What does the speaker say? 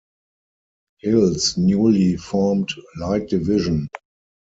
Hill's newly formed Light Division.